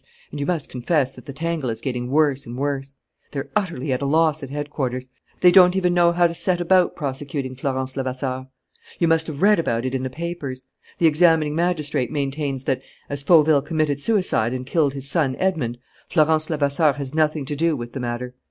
And you must confess that the tangle is getting worse and worse. They're utterly at a loss at headquarters. They don't even know how to set about prosecuting Florence Levasseur. "You must have read about it in the papers. The examining magistrate maintains that, as Fauville committed suicide and killed his son Edmond, Florence Levasseur has nothing to do with the matter.